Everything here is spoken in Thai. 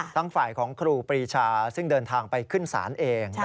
ทั้งฝ่ายของครูปรีชาซึ่งเดินทางไปขึ้นศาลเอง